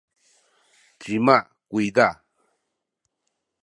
cima kuyza?